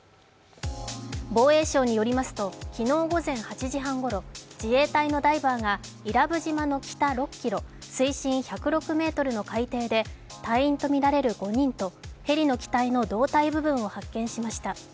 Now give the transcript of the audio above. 防衛省によりますと昨日午前８時半ごろ、自衛隊のダイバーが伊良部島の北６ｋｍ、水深１０６ｍの海底で隊員とみられる５人とヘリの機体の胴体部分を発見しました。